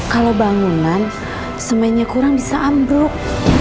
kalau bangunan semennya kurang bisa ambruk